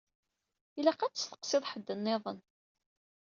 Ilaq ad testeqsiḍ ḥedd-nniḍen.